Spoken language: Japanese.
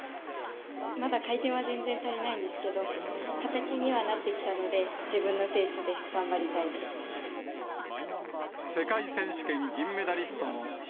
まだ回転は全然足りないんですけれども、形にはなってきたので、自分のペースで頑張りたいで世界選手権銀メダリストの樋